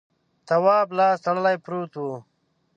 تواب لاس تړلی پروت و.